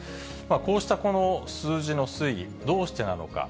こうしたこの数字の推移、どうしてなのか。